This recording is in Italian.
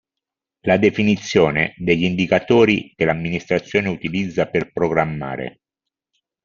La definizione degli indicatori che l'amministrazione utilizza per programmare.